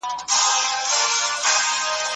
بې له مينې بل روزګار تــــه اوزګار نـــه يم